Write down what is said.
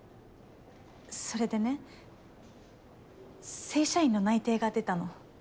それでね正社員の内定が出たの。